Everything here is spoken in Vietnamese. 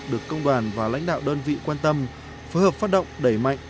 được công đoàn và lãnh đạo đơn vị quan tâm phối hợp phát động đẩy mạnh